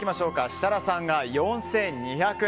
設楽さんが４２００円。